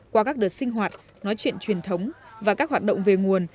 qua các đợt sinh hoạt nói chuyện truyền thống và các hoạt động về nguồn